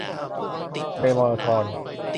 ทะเลเมอร์ทอน